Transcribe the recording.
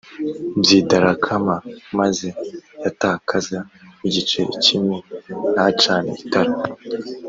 by idarakama maze yatakaza igiceri kimwe ntacane itara